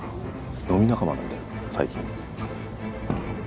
飲み仲間なんだよ最近。ははっ。